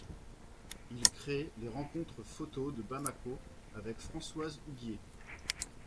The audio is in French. Il crée les Rencontres photo de Bamako avec Françoise Huguier.